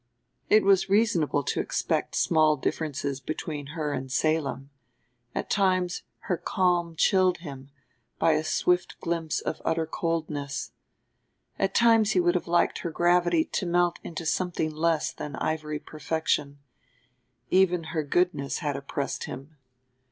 It was reasonable to expect small differences between her and Salem: at times her calm chilled him by a swift glimpse of utter coldness, at times he would have liked her gravity to melt into something less than ivory perfection; even her goodness had oppressed him.